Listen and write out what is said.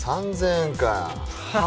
３，０００円かよ。